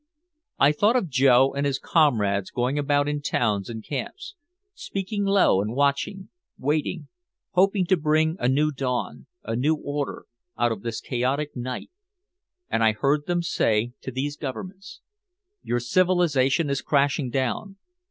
I thought of Joe and his comrades going about in towns and camps, speaking low and watching, waiting, hoping to bring a new dawn, a new order, out of this chaotic night. And I heard them say to these governments: "Your civilization is crashing down.